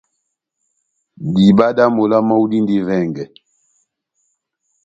Diba dá mola mɔ́wu dindi vɛngɛ.